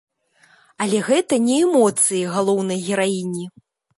Але гэта не эмоцыі галоўнай гераіні.